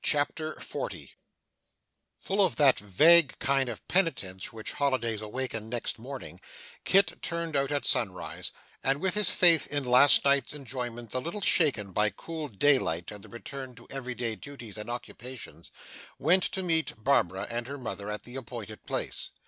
CHAPTER 40 Full of that vague kind of penitence which holidays awaken next morning, Kit turned out at sunrise, and, with his faith in last night's enjoyments a little shaken by cool daylight and the return to every day duties and occupations, went to meet Barbara and her mother at the appointed place.